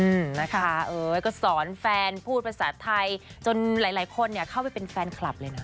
อืมนะคะเอ้ยก็สอนแฟนพูดภาษาไทยจนหลายหลายคนเนี่ยเข้าไปเป็นแฟนคลับเลยนะ